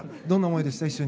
どんな思いでした？